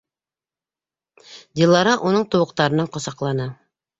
- Дилара уның тубыҡтарынан ҡосаҡланы.